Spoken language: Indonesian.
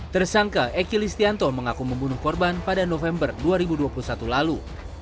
tersangka eki listianto mengaku membunuh korban pada november dua ribu dua puluh satu lalu